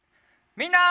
みんな！